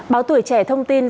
báo tuổi trẻ thông tin